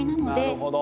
なるほど。